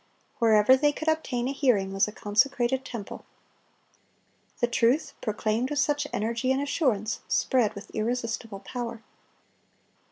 Wherever they could obtain a hearing was a consecrated temple. The truth, proclaimed with such energy and assurance, spread with irresistible power.